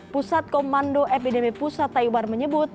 pusat komando epidemi pusat taiwan menyebut